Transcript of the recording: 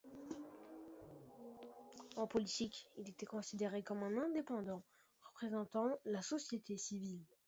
En politique, il était considéré comme un indépendant, représentant la société civile.